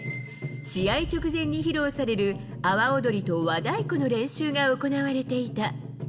試合直前に披露される阿波踊りと和太鼓の練習が行われていた。